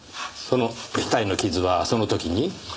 その額の傷はその時に？